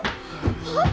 はっ？